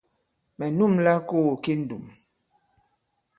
Mɛ̀ nûmla kogo ki ndùm.